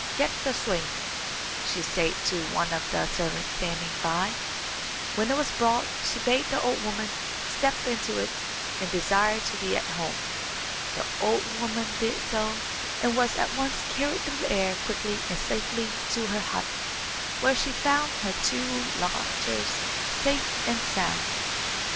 "Get the swing," she said to one of the servants standing by. When it was brought she bade the old woman step into it and desire to be at home. The old woman did so, and was at once carried through the air quickly and safely to her hut, where she found her two lodgers safe and sound.